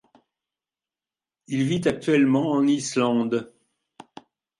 Il vit actuellement en Islande.